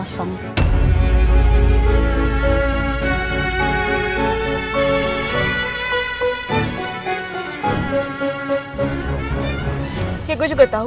ya ch ep bmwstar